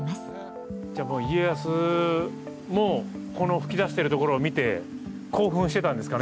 家康もこの噴き出してるところを見て興奮してたんですかね。